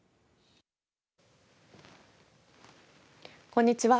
こんにちは。